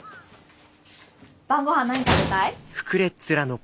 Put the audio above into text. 晩ご飯何食べたい？